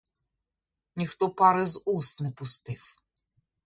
Ніхто пари з уст не пустив.